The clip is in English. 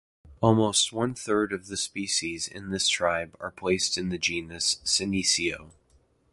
Almost one-third of the species in this tribe are placed in the genus "Senecio".